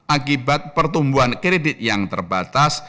akibat pertumbuhan kredit yang terbatas